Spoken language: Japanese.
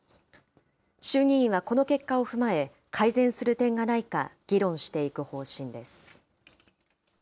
衆議院はこの結果を踏まえ、改善する点がないか議論していく方針です。